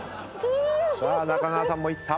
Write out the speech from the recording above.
さあ中川さんもいった。